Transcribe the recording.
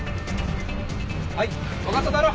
はいわかっただろ。